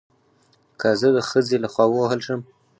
که زه د خځې له خوا ووهل شم